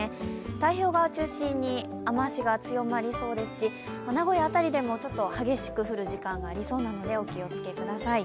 太平洋側を中心に雨足が強まりそうですし名古屋辺りでも激しく降る時間がありそうなので、お気をつけください。